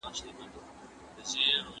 د ښوونکو لاسونه ښکل کړئ.